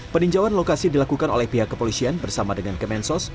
peninjauan lokasi dilakukan oleh pihak kepolisian bersama dengan kemensos